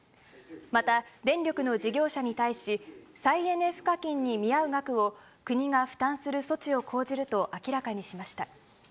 また、電力の事業者に対し、再エネ賦課金に見合う額を国が負担する措置を講じると明らかにしました。